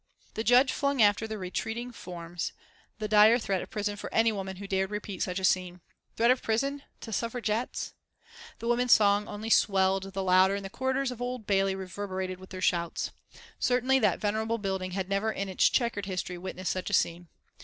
The Judge flung after their retreating forms the dire threat of prison for any woman who dared repeat such a scene. Threat of prison to Suffragettes! The women's song only swelled the louder and the corridors of Old Bailey reverberated with their shouts. Certainly that venerable building had never in its checkered history witnessed such a scene.